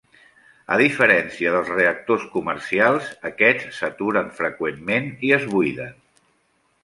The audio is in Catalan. A diferència dels reactors comercials, aquests s'aturen freqüentment i es buiden.